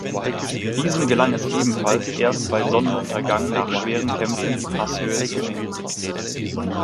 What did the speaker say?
Diesem gelang es ebenfalls erst bei Sonnenuntergang nach schweren Kämpfen die Passhöhe zu nehmen.